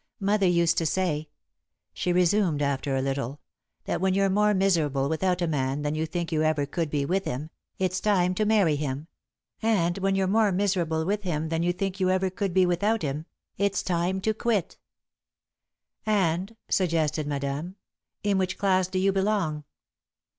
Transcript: Mother used to say," she resumed, after a little, "that when you're more miserable without a man than you think you ever could be with him, it's time to marry him, and when you're more miserable with him than you think you ever could be without him, it's time to quit." [Sidenote: Envious Women] "And," suggested Madame, "in which class do you belong?"